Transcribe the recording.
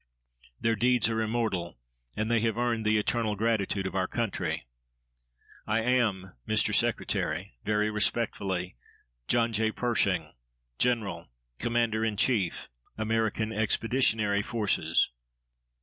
Their deeds are immortal, and they have earned the eternal gratitude of our country. I am, Mr. Secretary, very respectfully, JOHN J. PERSHING, _General, Commander in Chief, American Expeditionary Forces.